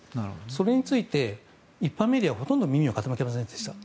それについて一般メディアはほとんど耳を傾けませんでした。